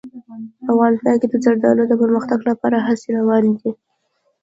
افغانستان کې د زردالو د پرمختګ لپاره هڅې روانې دي.